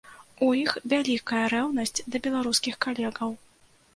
У іх вялікая рэўнасць да беларускіх калегаў.